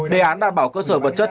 đề án đảm bảo cơ sở vật chất